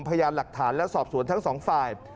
พยานหลักฐานและสอบสวนทั้งสองฝ่าย